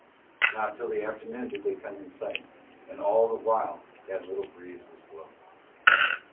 Not till the afternoon did they come in sight, and all the while that little breeze was blowing.